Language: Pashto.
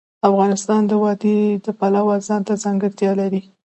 افغانستان د وادي د پلوه ځانته ځانګړتیا لري.